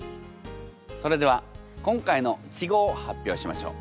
それでは今回の稚語を発表しましょう。